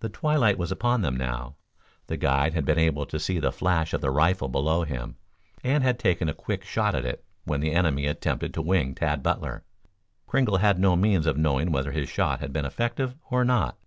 The twilight was upon them now. The guide had been able to see the flash of the rifle below him, and had taken a quick shot at it when the enemy attempted to wing Tad Butler. Kringle had no means of knowing whether his shot had been effective or not.